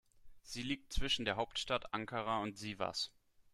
Sie liegt zwischen der Hauptstadt Ankara und Sivas.